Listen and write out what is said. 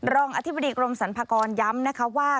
รองอธิบดีกรมสรรพากรย้ำนะคะว่า